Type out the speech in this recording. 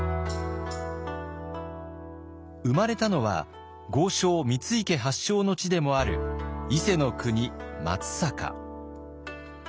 生まれたのは豪商三井家発祥の地でもある伊勢の国松阪。